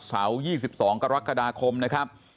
เสาร์๒๒กรกฎาคมนะครับ